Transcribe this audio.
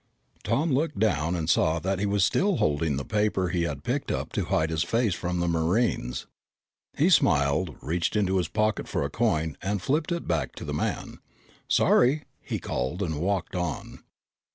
Tom looked down and saw that he was still holding the paper he had picked up to hide his face from the Marines. He smiled, reached into his pocket for a coin, and flipped it back to the man. "Sorry," he called and walked on.